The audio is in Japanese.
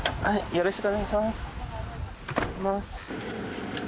よろしくお願いします。